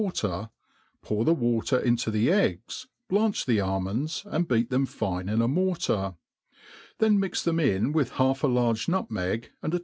water, pour the waiter wto tbe eggs, blanch the sAmond^viyi'hekt them fine in a aior tar; then mix them jn with half a large nutmeg,, an^ a.